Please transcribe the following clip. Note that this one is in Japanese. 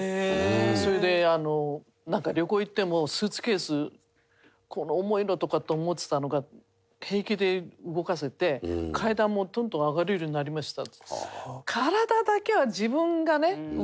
それで旅行行ってもスーツケース「この重いの」とかって思ってたのが平気で動かせて階段もトントン上がれるようになりました。